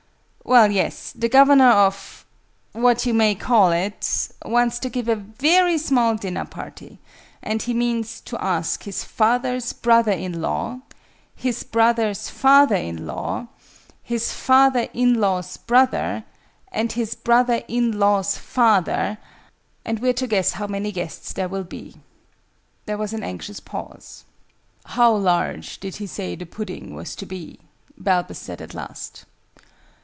"Well, yes. The Governor of what you may call it wants to give a very small dinner party, and he means to ask his father's brother in law, his brother's father in law, his father in law's brother, and his brother in law's father: and we're to guess how many guests there will be." There was an anxious pause. "How large did he say the pudding was to be?" Balbus said at last.